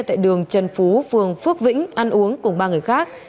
tại đường trần phú phường phước vĩnh ăn uống cùng ba người khác